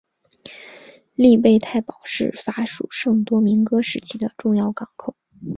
利贝泰堡是法属圣多明戈时期的重要港口。